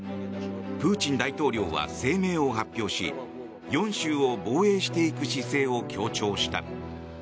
プーチン大統領は声明を発表し４州を防衛していく姿勢を強調した。